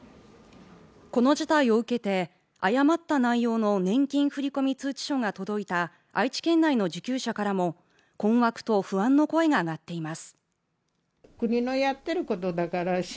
この事態を受けて誤った内容の年金振込通知書が届いた愛知県内の受給者からも困惑と不安の声が上がっています